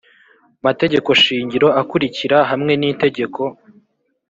mategeko shingiro akurikira hamwe n itegeko